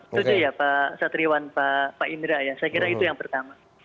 itu dia ya pak satriwan pak indra ya saya kira itu yang pertama